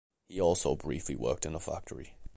He also briefly worked in a factory.